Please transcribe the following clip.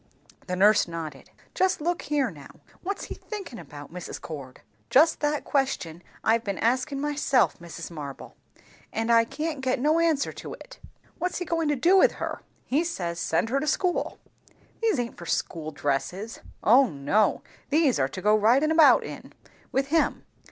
The nurse nodded. "Just look here, now! What's he thinkin' about, Mrs. Cord?" "Just that question I've been askin' myself, Mrs. Marble; and I can't get no answer to it." "What's he goin' to do with her?" "He says, send her to school." "These aint for school dresses." "O no; these are to go ridin' about in, with him."